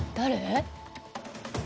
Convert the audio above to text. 誰？